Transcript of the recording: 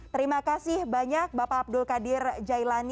terima kasih banyak bapak abdul qadir jailani